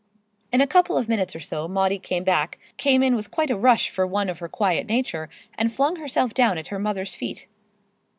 In a couple of minutes or so Maudie came back, came in with quite a rush for one of her quiet nature, and flung herself down at her mother's feet.